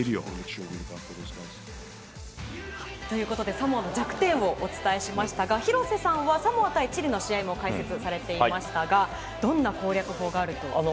サモアの弱点をお伝えしましたが廣瀬さんはサモア対チリの試合も解説されていましたがどんな攻略法があると思いますか。